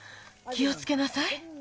気をつけなさい。